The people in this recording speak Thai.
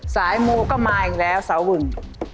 สายมูก็มาอีกแล้วสาวบึง